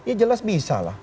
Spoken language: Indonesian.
ya jelas bisa lah